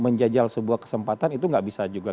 menjajal sebuah kesempatan itu nggak bisa juga